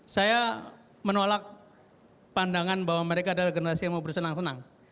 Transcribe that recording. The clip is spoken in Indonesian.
saya menolak pandangan bahwa mereka adalah generasi yang mau bersenang senang